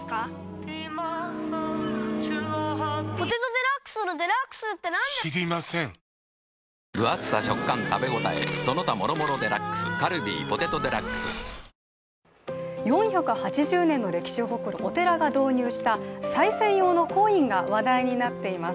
カルビー「ポテトデラックス」４８０年の歴史を誇るお寺が導入したさい銭用のコインが話題になっています。